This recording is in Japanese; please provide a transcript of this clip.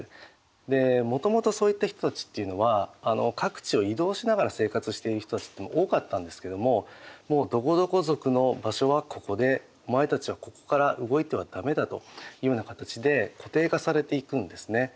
でもともとそういった人たちっていうのは各地を移動しながら生活している人たちっていうのは多かったんですけどももうどこどこ族の場所はここでお前たちはここから動いては駄目だというような形で固定化されていくんですね。